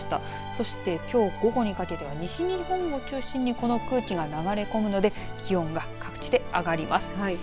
そして、きょう午後にかけて西日本を中心にこの空気が流れ込むので気温が各地で上がります。